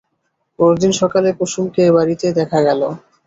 পরদিন সকালে কুসুমকে এ বাড়িতে দেখা গেল।